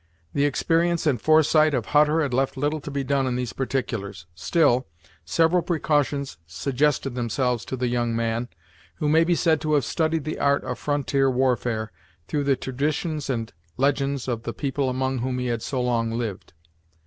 The experience and foresight of Hutter had left little to be done in these particulars; still, several precautions suggested themselves to the young man, who may be said to have studied the art of frontier warfare, through the traditions and legends of the people among whom he had so long lived.